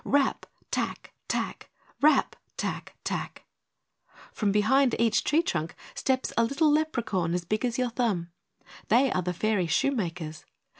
Rap! tack! tack! Rap! tack! tack! From behind each tree trunk steps a little Leprechaun as big as your thumb. They are the Fairy Shoemakers.